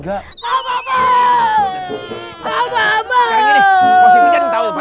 ah telepon telepon